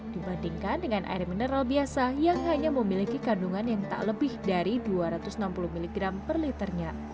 dibandingkan dengan air mineral biasa yang hanya memiliki kandungan yang tak lebih dari dua ratus enam puluh mg per liternya